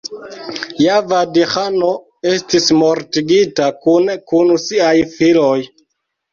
Javad-ĥano estis mortigita, kune kun siaj filoj.